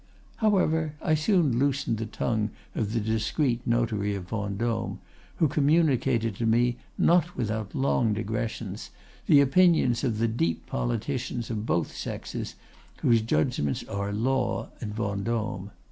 "However, I soon loosened the tongue of the discreet notary of Vendôme, who communicated to me, not without long digressions, the opinions of the deep politicians of both sexes whose judgments are law in Vendôme.